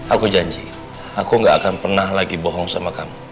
aku janji aku gak akan pernah lagi bohong sama kamu